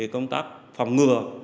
công tác phòng ngừa